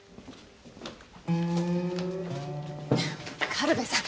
軽部さん！